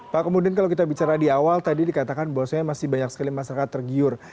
pak kemudian kalau kita bicara di awal tadi dikatakan bahwasannya masih banyak sekali masyarakat tergiur